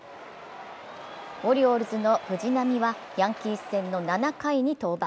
オリオールズの藤浪はヤンキース戦の７回に登板。